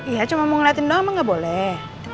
iya cuma mau ngeliatin doang mah gak boleh